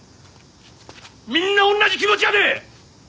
みんな同じ気持ちやで！